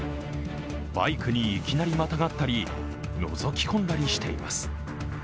バイクにいきなりまたがったりのぞき込んだりしています。